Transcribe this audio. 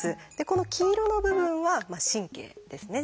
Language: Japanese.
この黄色の部分は「神経」ですね。